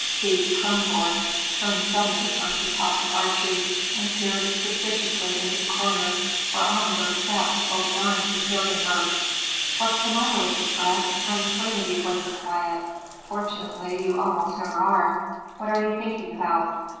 Thea Kronborg turned suddenly from her talk with Archie and peered suspiciously into the corner where Ottenburg sat with folded arms, observing her. "What's the matter with you, Fred? I'm afraid of you when you're quiet,—fortunately you almost never are. What are you thinking about?"